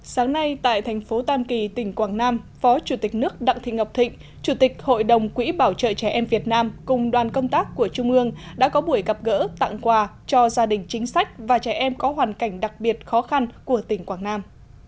sáng nay tại thành phố tam kỳ tỉnh quảng nam phó chủ tịch nước đặng thị ngọc thịnh chủ tịch hội đồng quỹ bảo trợ trẻ em việt nam cùng đoàn công tác của trung ương đã có buổi gặp gỡ tặng quà cho gia đình chính sách và trẻ em có hoàn cảnh đặc biệt khó khăn của tỉnh quảng nam